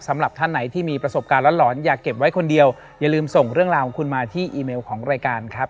สำหรับท่านไหนที่มีประสบการณ์หลอนอย่าเก็บไว้คนเดียวอย่าลืมส่งเรื่องราวของคุณมาที่อีเมลของรายการครับ